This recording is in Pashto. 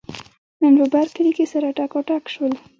نن په برکلي کې سره ټکاټک شول.